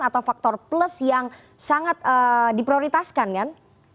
atau faktor plus yang sangat diprioritaskan kan